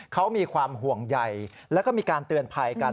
เขามีความห่วงใยแล้วก็มีการเตือนภัยกัน